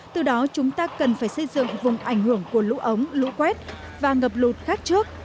từ đó chúng ta cần phải xây dựng vùng ảnh hưởng của lũ ống lũ quét và ngập lụt khác trước